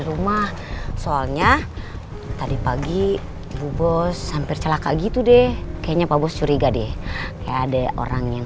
rumah soalnya tadi pagi lubus hampir celaka gitu deh kayaknya pak bos curiga deh kayak ada orang yang